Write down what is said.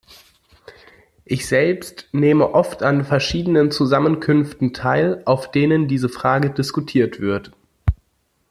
Ich selbst nehme oft an verschiedenen Zusammenkünften teil, auf denen diese Frage diskutiert wird.